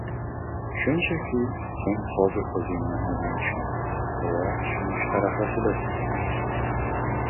Shunchaki sen hozir oʻzingni oʻzing tushunmaysan va tushunish arafasidasan.